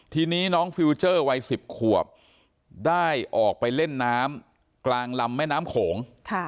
ทีนี้น้องฟิลเจอร์วัย๑๐ขวบได้ออกไปเล่นน้ำกลางลำแม่น้ำโขง